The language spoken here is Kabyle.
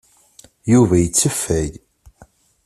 Yuba yettfay.